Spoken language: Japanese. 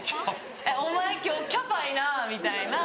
「お前今日キャパいな」みたいな